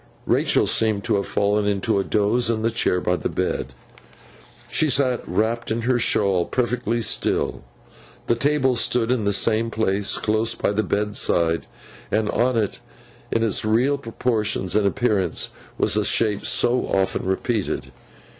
Rachael seemed to have fallen into a doze, in the chair by the bed. She sat wrapped in her shawl, perfectly still. The table stood in the same place, close by the bedside, and on it, in its real proportions and appearance, was the shape so often repeated.